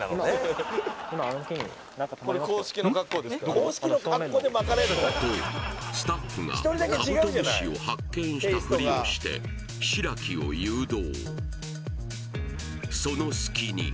あの正面のとスタッフがカブトムシを発見したフリをしてしらきを誘導